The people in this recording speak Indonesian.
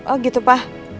oh gitu pa